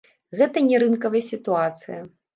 Гэта не рынкавая сітуацыя.